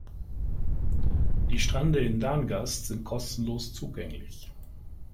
Die Strände in Dangast sind kostenlos zugänglich.